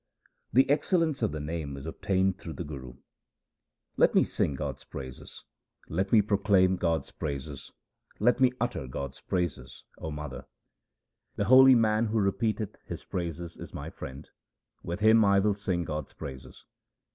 The excellence of the Name is obtained through the Guru: — Let me sing God's praises, let me proclaim God's praises, let me utter God's praises, O mother. HYMNS OF GURU RAM DAS 287 The holy man who repeateth His praises is my friend ; with him I will sing God's praises.